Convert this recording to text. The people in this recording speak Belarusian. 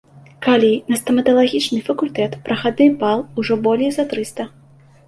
Калі на стаматалагічны факультэт прахадны бал ужо болей за трыста.